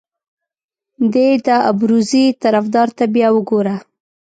دې د ابروزي طرفدار ته بیا وګوره.